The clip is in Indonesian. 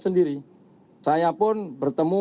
sendiri saya pun bertemu